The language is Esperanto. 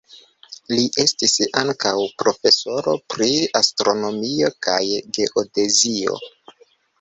Li estis ankaŭ profesoro pri astronomio kaj geodezio.